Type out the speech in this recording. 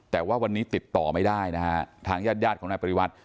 แต่ว่าวันนี้ติดต่อไม่ได้นะฮะทางญาติญาติของนายปริวัติ